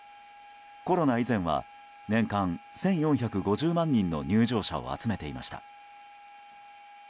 コロナ以前は年間１４５０万人の入場者を集めていました。